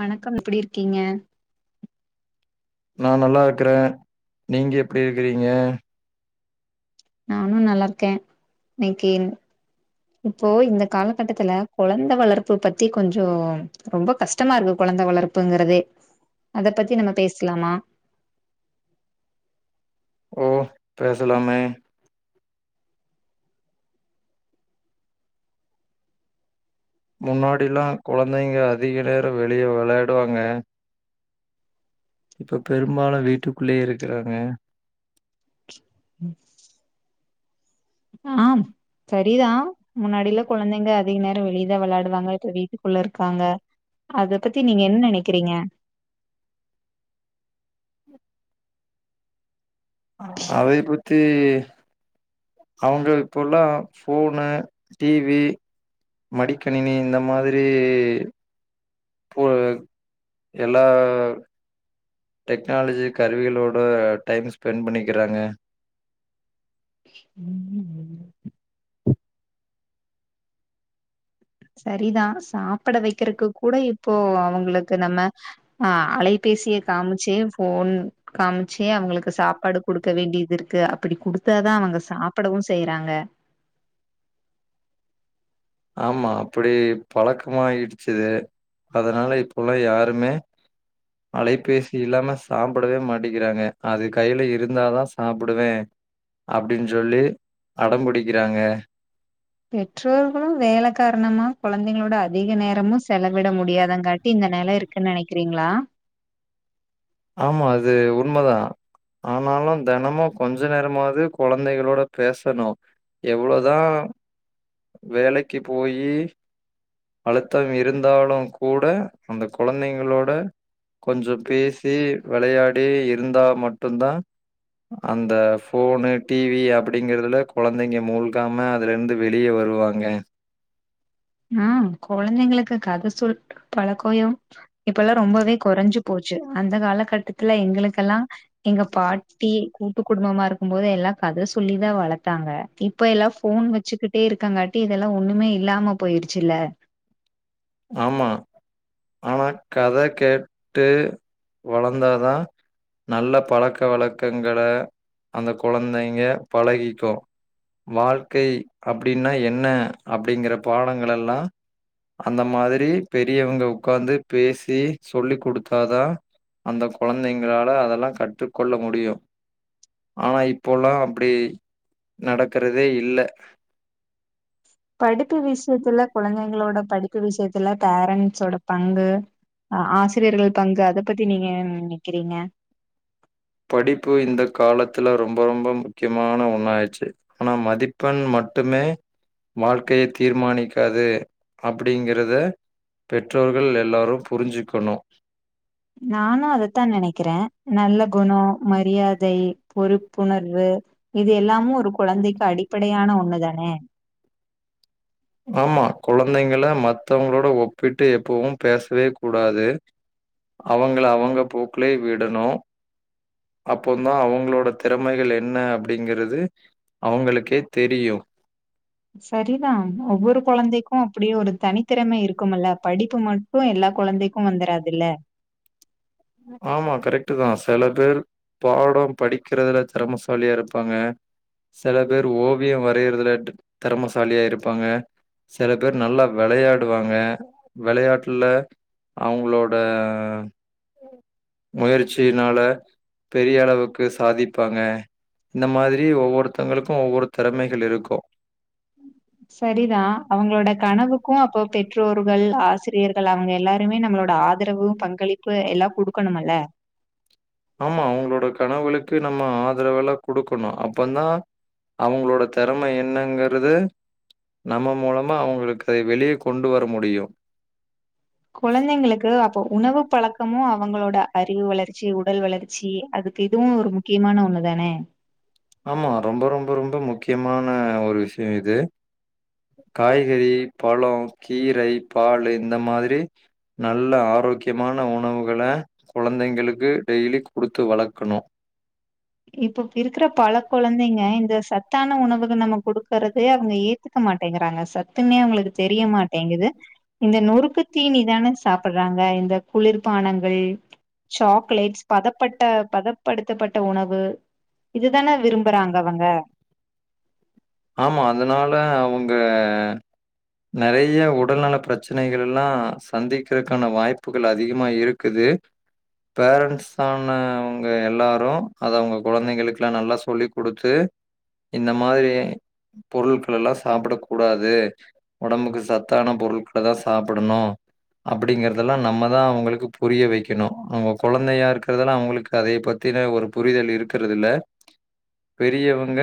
வணக்கம் எப்டி இருக்கீங்க நா நல்லா இருக்குறே நீங்க எப்டி இருக்குறீங்க நானு நல்லா இருக்கே இன்னைக்கு இப்போ இந்த காலகட்டத்துல கொழந்த வளர்ப்பு பத்தி கொஞ்சோ ரொம்ப கஷ்டமா இருக்கு கொழந்த வளர்ப்புங்கறது அத பத்தி நம்ம பேச்லாமா ஓ பேசலாமே முன்னாடி எல்லா கொழந்தைங்க அதிக நேரொ வெளியே வெளையாடுவாங்க இப்ப பெரும்பாலு வீட்டுக்குள்ளயே இருக்குறாங்க ம் ஆம் சரிதா முன்னாடியிலா கொழந்தைங்க அதிக நேர வெளி ய வெளாடுவாங்க இப்ப வீட்டுக்குள்ள இருக்காங்க அத பத்தி நீங்க என்ன நெனைக்கிறீங்க அதை பத்தி அவங்க இப்போல்லா ஃபோனு டிவி மடிக்கணினி இந்த மாதிரி போ எல்லா டெக்னாலஜி கருவிகளோட டைம் ஸ்பென்ட் பண்ணிக்கிறாங்க ம் ம் சரிதா சாப்பூட வைக்கிறக்கு கூட இப்போ அவங்களுக்கு நம்ம ஆ அலைபேசிய காமிச்சு ஃபோன் காமிச்சே அவுங்களுக்கு சாப்பாடு குடுக்க வேண்டியது இருக்கு அப்படி குடுத் தாதான் அவுங்க சாப்பிடவும் செய்யறாங்க ஆமா அப்படி பழக்கமாயிடுச்சு அதனால இப்பல்லாம் யாருமே அலைபேசி இல்லாம சாப்பிடவே மாட்டேக்கிறாங்க அது கையில இருந்தாதான் சாப்பிடுவேன் அப்படின் சொல்லி அடம் பிடிக்கிறாங்க பெற்றோர்களும் வேல காரணமா குழந்தைங்களோட அதிக நேரமும் செலவிட முடியாதங்காட்டி இந்த நிலை இருக் க்கு நினைக்கிறீங்களா ஆமா அது உண்மதான் ஆனாலும் தினமும் கொஞ்ச நேரமாவது கொழந்தைகளோட பேசணும் எவ்வளோதான் வேலைக்கு போய் அழுத்தம் இருந்தாலும் கூட அந்த கொழந்தைங்களோட கொஞ்சம் பேசி விளையாடி இருந்தா மட்டும்தான் அந்த ஃபோனு டிவி அப்படிங்கறதுல கொழந்தைங்க மூழ்காம அதுல இருந்து வெளிய வருவாங்க ஆ கொழந்தைங்களுக்கு கதை சொல்ற பழக்கோயம் இப்பல்லாம் ரொம்பவே குறைஞ்சு போச்சு அந்த காலகட்டத்துல எங்களுக்கெல்லாம் எங்க பாட்டி கூட்டு குடும்பமா இருக்கும்போது எல்லாம் கத சொல்லிதான் வளத்தாங்க கே இப்ப எல்லாம் ஃபோன் வச்சுக்கிட்டே இருக்கங்காட்டி இதெல்லாம் ஒண்ணுமே இல்லாம போயிடுச்சுல்ல ஆமா ஆனா கதை கேட் ட்டு வளந்தாதான் நல்ல பழக்க வழக் க்கங்கல அந்த கொழந்தைங்க பழகிக்கும் வாழ்க்கை அப்படின்னா என்ன அப்படிங்கிற பாடங்களெல்லாம் அந்த மாதிரி பெரியவுங்க உக்காந்து பேசி சொல்லிக் குடுத்தாதான் அந்த கொழந்தைங்களால அதெல்லாம் கற்றுக்கொள்ள முடியும் ஆனா இப்போல்லாம் அப்படி நடக்கிறதே இல்ல படிப்பு விஷயத்துல குழந்தைங்களோட படிப்பு விஷயத்துல பேரண்ட்ஸோட பங்கு அ ஆசிரியர்கள் பங்கு அத பத்தி நீங்க என்ன நெனைக்கிறீங்க படிப்பு இந்த காலத்துல ரொம்ப ரொம்ப முக்கியமான ஒண்ணா ஆச்சு ஆனா மதிப்பெண் மட்டுமே வாழ்க்கைய தீர்மானிக்காது அப்படிங்கிறத பெற்றோர்கள் எல்லாரும் புரிஞ்சிக்கணும் நானும் அதத்தான் நினைக்கிறேன் நல்ல குணம் மரியாதை பொறுப்புணர்வு இது எல்லாமும் ஒரு குழந்தைக்கு அடி ப்படையான ஒண்ணு தானே ஆமா குழந்தைங்க மத்தவங்களோட ஒப்பிட்டு எப்பவும் பேசவே கூடாது அவுங்கள அவுங்க போக்குலே விடணு அப்ப தா அவுங்களோட திறமைகள் என்ன அப்படிங்கிறது அவுங்களுக்கே தெரியும் சரிதா ஒவ்வொரு குழந்தைக்கும் அப்டியே ஒரு தனித்திறமை இருக் க்கும்ல படிப்பு மட்டும் எல்லா குழந்தைக்கும் வந்துராதுல்ல ஆமா கரெக்டு தான் சில பேர் பாடம் படிக்கிறதுல திறமசாலியா இருப்பாங்க சில பேர் ஓவியம் வரையிறதுல திறமசாலியா இருப்பாங்க சில பேர் நல்லா விளையாடுவாங்க விளையாட்டுல அவுங்களோட முயற்சினால பெரிய அளவுக்கு சாதிப்பாங்க இந்த மாதிரி ஒவ்வொருத்தங்களுக்கு ஒவ்வொரு திறமைகள் இருக்கு சரிதா அவுங்களோட கனவுக்கு அப்போ பெற்றோர்கள் ஆசிரியர்கள் அவுங்க எல்லாருமே நம்மளோட ஆதரவு பங்களிப்பு எல்லா குடுக்கணும்மல்ல ஆமா அவுங்களோட கனவுளுக்கு நம்ம ஆதரவெலா குடுக்கணு அப்பந்தா அவுங்களோட திறம என்னங்கிறது நம்ம மூலமா அவுங்களுக்கு அதை வெளிய கொண்டு வர முடியு குழந்தைங்களுக்கு அப்ப உணவு பழக்கமு அவுங்களோட அறிவு வளர்ச்சி உடல் வளர்ச்சி அதுக்கு இதுவு ஒரு முக்கியமான ஒண்ணு தானே ஆமா ரொம்ப ரொம்ப ரொம்ப முக்கியமான ஒரு விஷயோ இது காய்கறி பழோ கீரை பாலு இந்த மாதிரி நல்ல ஆரோக்கியமான உணவுகள குழந்தைங்களுக்கு டெய்லி குடுத்து வளக்கணு இப்பப் இருக்கிற பல கொழந்தைங்க இந்த ச த்தான உணவுகள் நம்ம குடுக்குறத அவுங்க ஏத்துக்க மாட்டேங்கறாங்க சத்துன்னே அவுங்களுக்கு தெரிய மாட்டேங்குது இந்த நொறுக்கு தீனிதானே சாப்புட்றாங்க இந்த குளிர்பானங்கள் சாக்லேட்ஸ் பதப்பட்ட பதப்படுத்தப்பட்ட உண வு இதுதானே விரும்புறாங்க அவங்க ஆமா அதனால அவுங்க நெறைய்ய உடல்நல பிரச்சனைகள் எல்லா சந்திக்கிறக்கான வாய்ப்புகள் அதிகமாக இரு க்குது பேரண்ட்ஸ் ஆன அவுங்க எல்லாரு அத அவுங்க குழந்ததைங்களுக்லா நல்லா சொல்லிக் குடுத்து இந்த மாதிரி பொருள்கள் எல்லா சாப்பட கூடாது ஒடம்புக்கு சத்தான பொருட்கள தா சாப்படணு அப்டிங்கறதெல்லா நம்ம தா அவுங்களுக்கு புரிய வைக்கணு அவுங்க குழந்தையா இருக்கறதெலா அவுங்களுக்கு அதைய பத்தின ஒரு புரிதல் இருக்கிறது இல்ல பெரியவங்க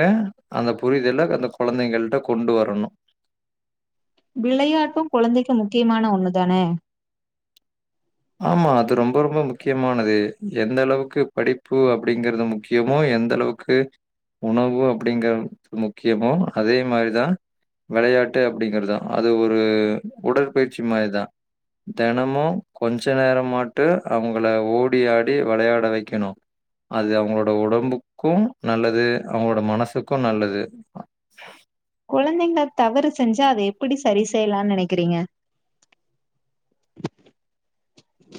அந்த புரிதல அந்த குழந்தைகள்ட்ட கொண்டு வரணு விளையாட்டு குழந்தைக்கு முக்கியமான ஒண்ணு தானே ஆமா அது ரொம்ப ரொம்ப முக்கியமானது எந்த அளவுக்கு படிப்பு அப்டிங்கறது முக்கியமோ எந்த அளவுக் கு உணவு அப்டிங்கற முக்கியமோ அதே மாரிதா விளையாட்டு அப்டிங்கறது அது ஒரு உடற்பயிற்சி மாரிதா தெனமு கொஞ்ச நேர மாட்டு அவங்கள ஓடி ஆடி வெளையாட வெக்கணு அது அவுங்களோட உடம்புக்கு நல்லது அவுங்களோட மனசுக்கு நல்லது குழந்தைங்க தவறு செஞ்சா அத எப்படி சரி செய்யலான் நெனைக்கிறீங்க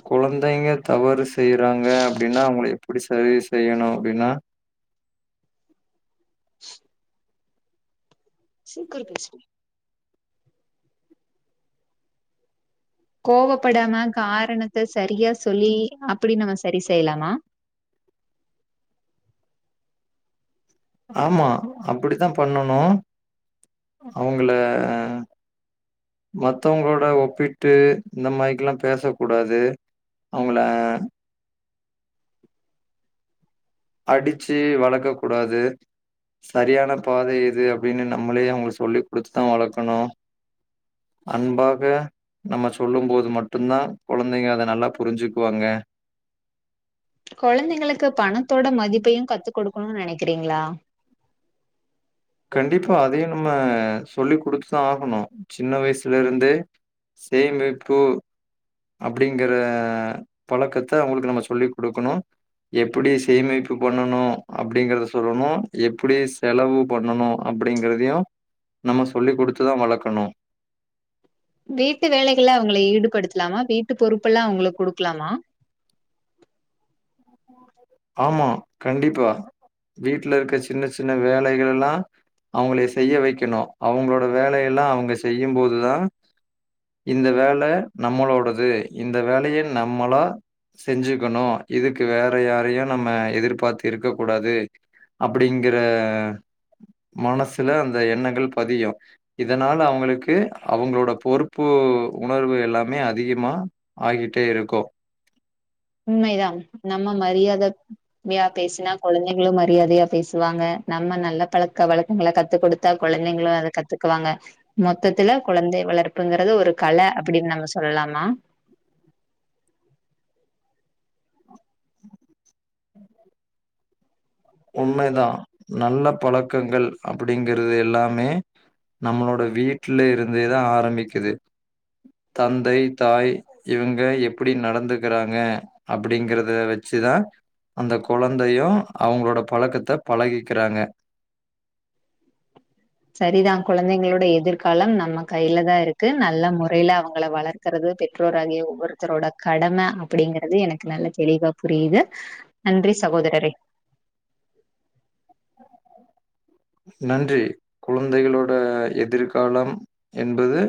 குழந்தைங்க தவறு செய்றாங்க அப்டின்னா அவங்கள் எப்டி சரி செய்யணு அப்டின்னா [unintelligible] கோவப்படாம காரணத்த சரியா சொல்லி அப்டி நம்ம சரி செய்லாமா ஆமா அப்டித்தா பண்ணணு அவுங்கள மத்தவங்களோட ஒப்பி ட்டு இந்த மாரிக்கெல்லா பேசக்கூடாது அவுங்கள அடிச்சு வளக்க கூடாது சரியான பாதை எது அப்டின்னு நம்மளே அவுங்கள சொல்லி குடுத்து தா வளக்கணு அன்பாக நம்ம சொல்லும் போது மட்டுந்தா குழந்தைக அத நல்லா புரிஞ்சுக்வாங்க கொழந்தைங்களுக்கு பணத்தோட மதிப்பையு கத்து கொடுக்கணுன்னு நெனைக்கிறீங்களா கண்டிப்பா அதையு நம்ம சொல்லி குடுத்து தா ஆகணு சின்ன வயசுல இருந்தே சேமிப்பு அப்டிங்கற பழக்கத்த அவுங்களுக்கு நம்ம சொல்லி குடுக்கணு எப்டி சேமிப்பு பண்ணனு அப்டிங்கறத சொல்லணு எப்டி செலவு பண்ணனு அப்டிங்கறதையு நம்ம சொல்லி குடுத்து தா வளக்கணு வீட்டு வேலைகள்லா அவுங்கள ஈடுபடுத்தலாமா வீட்டு பொறுப்பெல்லா அவுங்களுக் குடுக்குலாமா ஆமா கண்டிப்பா வீட்ல இருக்க சின்ன சின்ன வேலைகள் எல்லா அவுங்களே செய்ய வைக்கணு அவுங்களோட வேலை எல்லா அவுங்க செய்யும் போது தா இந்த வேல நம்மளோடது இந்த வேலைய நம்மளா செஞ்சுக்கணு இதுக்கு வேற யாரையு நம்ம எதிர்பார்த்து இருக்க கூடாது அப்டிங்கிற மனசுல அந்த எண்ணங்கள் பதியு இதனால அவுங்களுக்கு அவுங்களோட பொறுப்பு உணர்வு எல்லாமே அதிகமா ஆகிட்டே இருக்கு உண்மை தா நம்ம மரியாதப் மியா பேசுனா கொழந்தைங்களு மரியாதையா பேசுவாங்க நம்ம நல்ல பழக்க வழக்கங்கள கத்து கொடுத் தா கொழந்தைங்களு அத கத்துக்குவாங்க மொத்தத்துல கொழந்தை வளர்ப்புங்கறது ஒரு கல அப்டின்னு நம்ம சொல்லலாமா உண்மை தா நல்ல பழக்கங்கள் அப்டிங்கறது எல்லாமே நம்மளோட வீட்ல இருந்தே தா ஆரம்பிக்குது தந்தை தாய் இவுங்க எப்பிடி நடந்து க்கறாங்க அப்டிங்கறத வச்சு தா அந்த கொழந்தையு அவுங்களோட பழக்கத்த பழகிக்கிறாங்க செரி தா கொழந்தைங்களோட எதிர் காலம் நம்ம கைல தா இருக்கு நல்ல முறைல அவுங்கள வளர் க்கறது பெற்றோர் ஆகிய ஒவ்வொருத்தரோட கடம அப்டிங்கறது எனக்கு நல்ல தெளிவா புரிது நன்றி சகோதரரே நன்றி குழந்தைகளோட எதிர்காலம் என்பது